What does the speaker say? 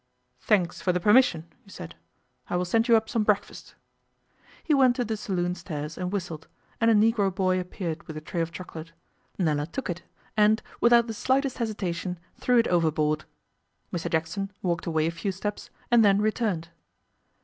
'Thanks for the permission,' he said. 'I will send you up some breakfast.' He went to the saloon stairs and whistled, and a Negro boy appeared with a tray of chocolate. Nella took it, and, without the slightest hesitation, threw it overboard. Mr Jackson walked away a few steps and then returned.